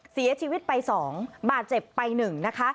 เสียชีวิตไป๒บาดเจ็บไป๑นะคะ